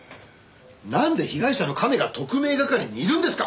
なんで被害者のカメが特命係にいるんですか！